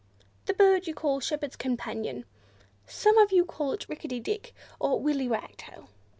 "The bird you call Shepherd's Companion. Some of you call it Rickety Dick, or Willy Wagtail."